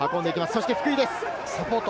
そして福井です。